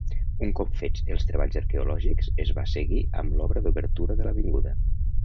Un cop fets els treballs arqueològics es va seguir amb l'obra d'obertura de l'avinguda.